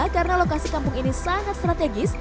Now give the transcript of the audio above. karena lokasi kampung ini sangat strategis